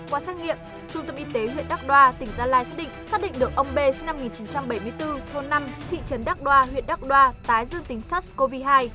qua xét nghiệm trung tâm y tế huyện đắk đoa tỉnh gia lai xác định xác định được ông b sinh năm một nghìn chín trăm bảy mươi bốn thôn năm thị trấn đắk đoa huyện đắk đoa tái dương tính sars cov hai